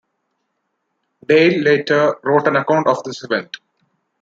Dale later wrote an account of this event.